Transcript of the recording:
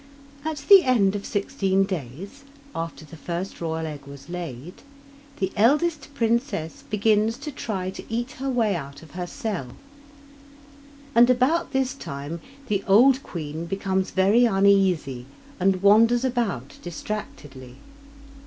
Week 27 At the end of sixteen days after the first royal egg was laid, the eldest princess begins to try to eat her way out of her cell, and about this time the old queen becomes very uneasy, and wanders about distractedly.